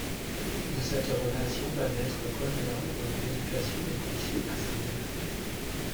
De cette relation va naître Conla, dont l’éducation est confiée à sa mère.